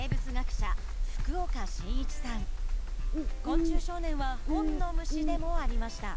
昆虫少年は本の虫でもありました。